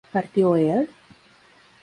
¿partió él?